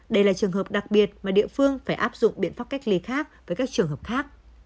đây là trường hợp đặc biệt mà địa phương phải áp dụng biện pháp cách ly khác với các trường hợp khác